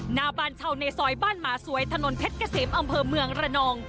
หน้าบ้านเช่าในซอยบ้านหมาสวยถนนเพชรเกษมอำเภอเมืองระนอง